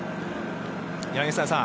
柳澤さん